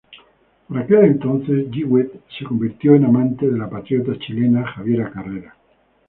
Por aquel entonces, Jewett se convirtió en amante de la patriota chilena Javiera Carrera.